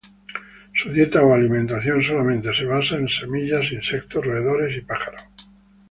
Su dieta o alimentación solamente se basa en: semillas, insectos, roedores y pájaros.